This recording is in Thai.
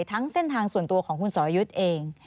ทั้งเส้นทางส่วนตัวของคุณสรยุทธ์เอง